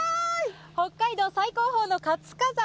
北海道最高峰の活火山